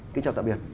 kính chào tạm biệt